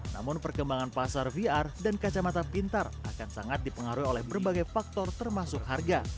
namun perkembangan pasar vr dan kacamata pintar akan sangat dipengaruhi oleh berbagai faktor termasuk harga